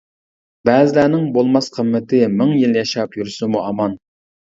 بەزىلەرنىڭ بولماس قىممىتى، مىڭ يىل ياشاپ يۈرسىمۇ ئامان.